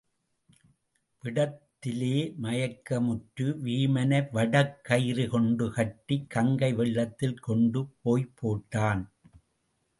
விடத்– திலே மயக்கமுற்ற வீமனை வடக்கயிறு கொண்டு கட்டிக் கங்கை வெள்ளத்தில் கொண்டு போய்ப் போட்டான்.